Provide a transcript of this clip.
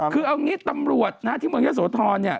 คือเอางี้ตำรวจที่เมืองเยอะสวทรนี่